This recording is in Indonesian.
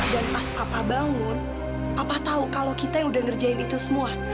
dan pas papa bangun papa tahu kalau kita sudah ngerjain itu semua